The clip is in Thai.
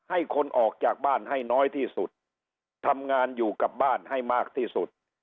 ให้คนออกจากบ้านให้น้อยที่สุดทำงานอยู่กับบ้านให้มากที่สุด